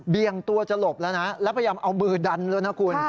งตัวจะหลบแล้วนะแล้วพยายามเอามือดันแล้วนะคุณ